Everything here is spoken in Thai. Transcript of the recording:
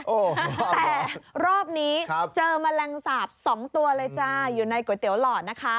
แต่รอบนี้เจอแมลงสาปสองตัวเลยจ้าอยู่ในก๋วยเตี๋ยหลอดนะคะ